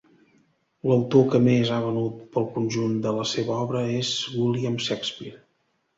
L'autor que més ha venut pel conjunt de la seva obra és William Shakespeare.